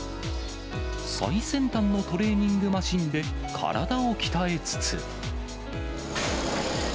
最先端のトレーニングマシンで体を鍛えつつ。